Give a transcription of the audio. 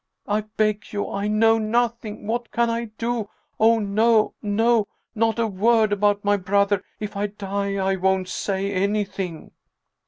I beg you! I know nothing What can I do? Oh, no! no! not a word about my brother ! If I die, I won't say anything